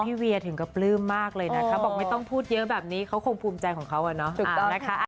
เวียถึงกับปลื้มมากเลยนะคะบอกไม่ต้องพูดเยอะแบบนี้เขาคงภูมิใจของเขาอะเนาะ